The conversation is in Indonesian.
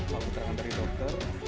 maksudnya dari dokter